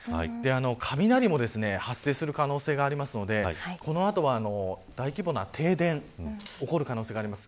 雷も発生する可能性がありますのでこの後は大規模な停電起こる可能性があります。